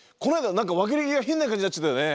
何か別れ際変な感じになっちゃったよね。